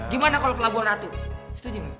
gimana kalo pelaburan atur setuju gak